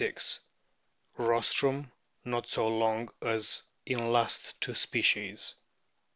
Rostrum not so long as in last two species.